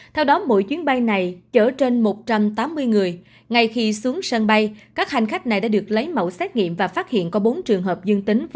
theo đó mỗi chuyến bay này chở trên một trăm tám mươi người ngay khi xuống sân bay các hành khách này đã được lấy mẫu xét nghiệm và phát hiện có bốn trường hợp dương tính với